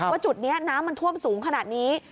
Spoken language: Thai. จุดนี้น้ำมันท่วมสูงขนาดนี้